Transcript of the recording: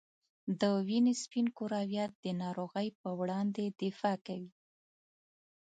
د وینې سپین کرویات د ناروغۍ په وړاندې دفاع کوي.